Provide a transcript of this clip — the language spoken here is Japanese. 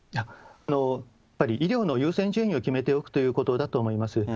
やっぱり医療の優先順位を決めておくということだと思います。